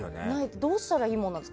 どうしたらいいものですか。